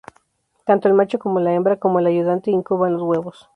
Tanto el macho como la hembra, como el ayudante, incuban los huevos.